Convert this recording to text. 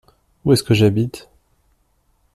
Où est-ce que j’habite ?